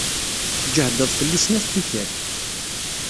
Tjehdeḍ fell-i s snat n tikkal.